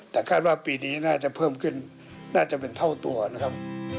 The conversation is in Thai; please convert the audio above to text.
แต่คาดว่าปีนี้น่าจะเพิ่มขึ้นน่าจะเป็นเท่าตัวนะครับ